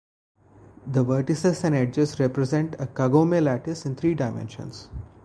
The vertices and edges represent a Kagome lattice in three dimensions.